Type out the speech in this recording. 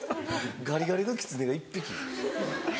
ガリガリのキツネが１匹。